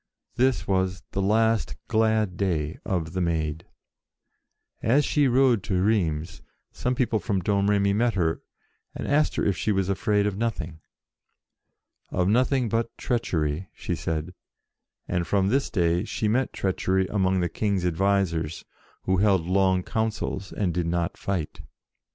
This was the last glad day of the Maid. As she rode to Rheims, some people from Domremy met her and asked her if she was afraid of nothing. " Of nothing but treachery," she said, and, from this day, she met treachery among the King's advisers, who held long councils, and did not fight.